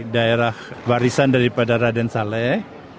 daerah warisan daripada raden saleh